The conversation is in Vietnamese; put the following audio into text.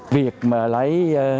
việc mà lấy